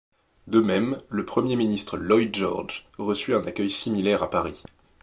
De même, le premier ministre Lloyd George reçut un accueil similaire à Paris.